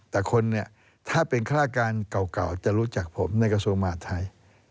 แต่คนเนี่ยถ้าเป็นครรษการเก่าจะรู้จักผมในสวมมาทะเทศ